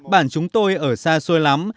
bản chúng tôi ở xa xôi lắm